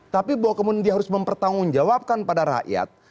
tapi bahwa kemudian dia harus mempertanggungjawabkan pada rakyat